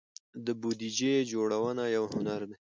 د بودیجې جوړونه یو هنر دی.